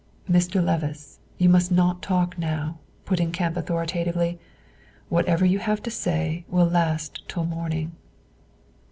"Mr. Levice, you must not talk now," put in Kemp, authoritatively; "whatever you have to say will last till morning."